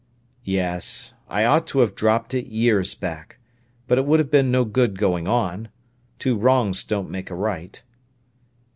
"Yes; I ought to have dropped it years back. But it would have been no good going on. Two wrongs don't make a right."